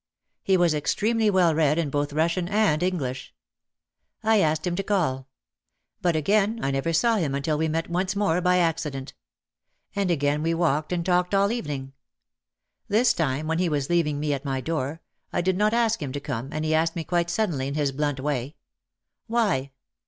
He was extremely well read in both Russian and English. I asked him to call. But again I never saw him until we met once more by accident. And again we walked and talked all evening. This time, when he was leaving me at my door, I did not ask him to come and he asked me quite suddenly in his blunt way, "Why?"